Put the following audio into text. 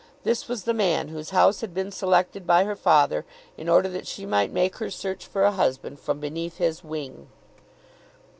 This was the man whose house had been selected by her father in order that she might make her search for a husband from beneath his wing!